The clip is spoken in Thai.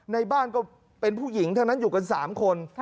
ในบ้านก็เป็นผู้หญิงทั้งนั้นอยู่กัน๓คน